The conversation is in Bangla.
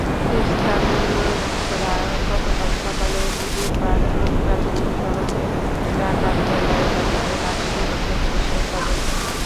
স্থানীয়রা গতকাল সকালে দিঘিরপার-মুক্তারপুর সড়কের ডাকাততলা এলাকায় লাশটি দেখে পুলিশকে খবর দেয়।